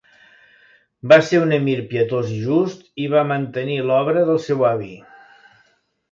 Va ser un emir pietós i just i va mantenir l'obra del seu avi.